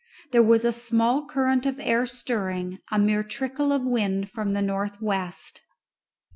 There was a small current of air stirring, a mere trickle of wind from the north west.